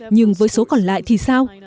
nhưng với số còn lại thì sao